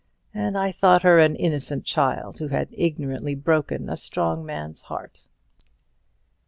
And I thought her an innocent child, who had ignorantly broken a strong man's heart!"